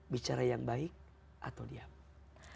bicara yang baik atau diam